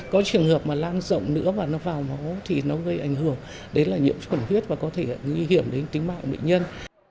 có trường hợp mà lan rộng nữa và nó vào máu thì nó gây ảnh hưởng đấy là nhiễm trùng huyết và có thể nguy hiểm đến tính mạng bệnh nhân